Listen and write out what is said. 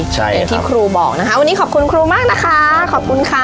ใช่ครับอย่างที่ครูบอกวันนี้ขอบคุณครูมากนะคะขอบคุณค่ะ